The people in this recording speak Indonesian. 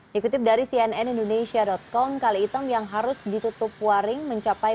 dikutip dari cnn indonesia com kali item yang harus ditutup waring mencapai